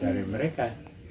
ya dari mereka